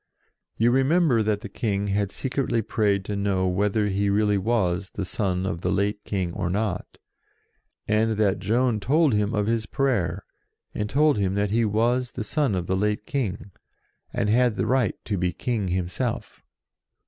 You re member that the King had secretly prayed to know whether he really was the son of the late King or not, and that Joan told him of his prayer, and told him that he was the son of the late King, and had the right to be King himself.